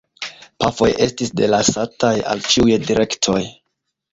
Pafoj estis delasataj al ĉiuj direktoj.